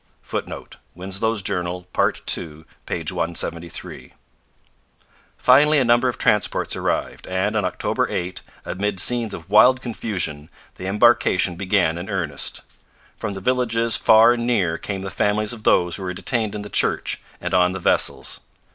[Footnote: Winslow's Journal, part ii, p. 173.] Finally a number of transports arrived, and, on October 8, amid scenes of wild confusion, the embarkation began in earnest. From the villages far and near came the families of those who were detained in the church and on the vessels.